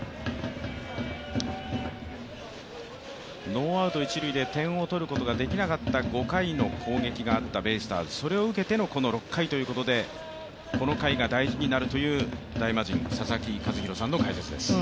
ノーアウト一塁で点を取ることができなかった５回の攻撃があったベイスターズ、それを受けてのこの６回ということでこの回が大事になるという大魔神・佐々木主浩さんの解説。